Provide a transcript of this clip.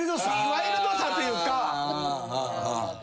ワイルドさというか。